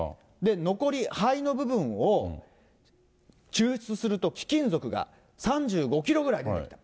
残り、灰の部分を抽出すると貴金属が３５キロぐらい出ると。